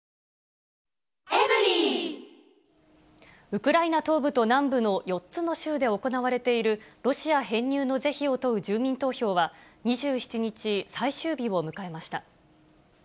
ウクライナ東部と南部の４つの州で行われているロシア編入の是非を問う住民投票は、２７日、最終日を迎えました。